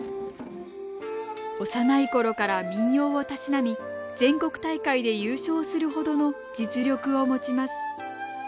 幼いころから民謡をたしなみ全国大会で優勝するほどの実力を持ちます。